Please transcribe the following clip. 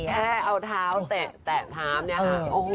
แค่เอาเท้าแตะพร้ำเนี้ย